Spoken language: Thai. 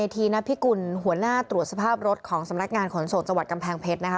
พิกุลหัวหน้าตรวจสภาพรถของสำนักงานขนส่งจังหวัดกำแพงเพชรนะคะ